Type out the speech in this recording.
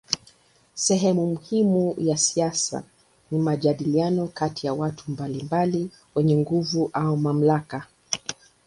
Sehemu muhimu ya siasa ni majadiliano kati ya watu mbalimbali wenye nguvu au mamlaka.